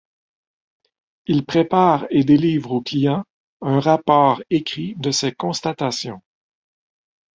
Il prépare et délivre au client un rapport écrit de ses constatations.